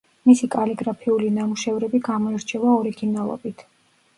მისი კალიგრაფიული ნამუშევრები გამოირჩევა ორიგინალობით.